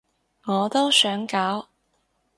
我都想搞